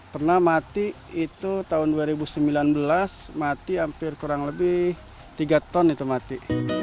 pernah mati itu tahun dua ribu sembilan belas mati hampir kurang lebih tiga ton itu mati